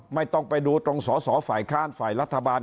ไม่ต้องไปดูตรงสอสอฝ่ายค้านฝ่ายรัฐบาล